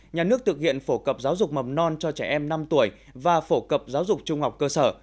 một nhà nước thực hiện phổ cập giáo dục mầm non cho trẻ em năm tuổi và phổ cập giáo dục trung học cơ sở